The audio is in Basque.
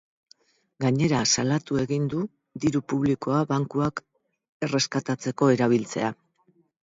Gainera, salatu egin du diru publikoa bankuak erreskatatzeko erabiltzea.